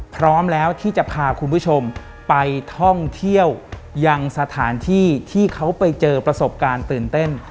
พร้อมแล้วที่จะพาคุณผู้ชมไปท่องเที่ยวยังสถานที่ที่เขาไปเจอประสบการณ์ตื่นเต้น